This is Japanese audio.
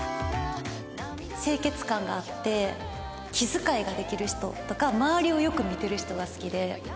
清潔感があって気遣いができる人とか周りをよく見てる人が好きで。